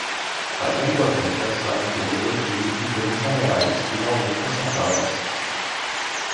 Pagando à vista sai por dois mil e trinta reais e noventa centavos.